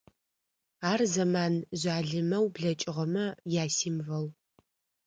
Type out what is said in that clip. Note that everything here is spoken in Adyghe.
Ар зэман жъалымэу блэкӏыгъэмэ ясимвол.